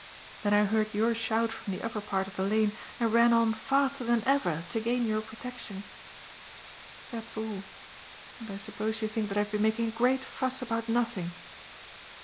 Then I heard your shout from the upper part of the lane and ran on faster than ever to gain your protection. That's all, and I suppose you think that I have been making a great fuss about nothing."